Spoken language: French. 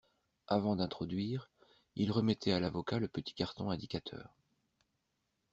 Avant d'introduire, il remettait à l'avocat le petit carton indicateur.